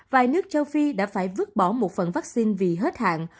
vài nước châu phi đã phải vứt bỏ một phần vaccine vì hết hạn